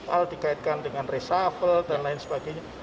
hal dikaitkan dengan resapel dan lain sebagainya